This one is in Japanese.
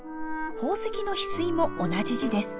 宝石のひすいも同じ字です。